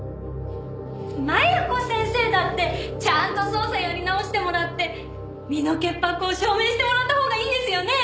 麻弥子先生だってちゃんと捜査やり直してもらって身の潔白を証明してもらったほうがいいですよね。